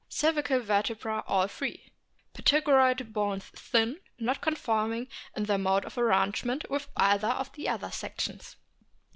Cervical vertebrae all free. Pterygoid bones thin, not conforming in their mode of arrange ment with either of the other sections.